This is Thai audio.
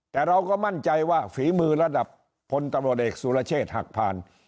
แต่เราก็มั่นใจว่าฝีมือระดับพลตำรวจเอกสุรเชษฐ์หักผ่าน